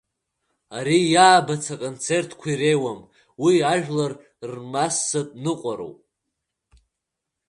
Ари иаабац аконцертқәа иреиуам, уи ажәлар рмассатә ныҟәароуп.